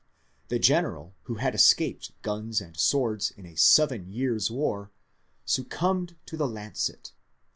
The General, who had escaped guns and swords in a seven years' war, succumbed to the lancet.